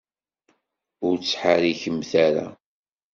Ur ttḥerrikemt ara!